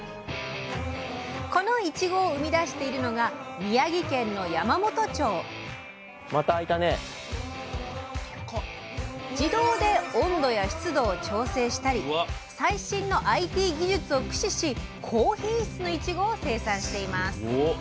このいちごを生み出しているのが自動で温度や湿度を調整したり最新のＩＴ技術を駆使し高品質のいちごを生産しています。